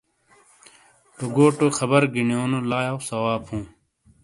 روگوٹو خبر گینیو نو لاٶ ثواب ہُوں۔